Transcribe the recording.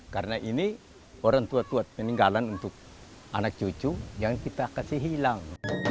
karena ini orang tua tua meninggalan untuk anak cucu yang kita kasih hilang